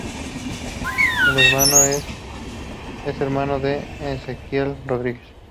Es hermano de Ezequiel Rodríguez.